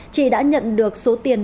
chỉ đã nhận được số tiền